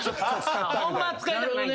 ホンマは使いたくないんだ。